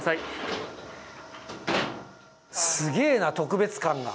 すげえな特別感が。